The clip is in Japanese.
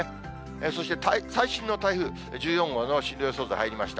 そして最新の台風１４号の進路予想図、入りました。